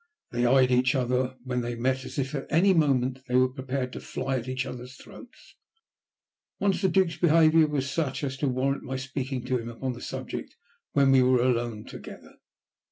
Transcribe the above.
They eyed each other when they met as if, at any moment, they were prepared to fly at each other's throats. Once the Duke's behaviour was such as to warrant my speaking to him upon the subject when we were alone together.